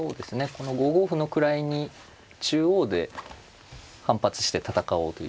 この５五歩の位に中央で反発して戦おうという。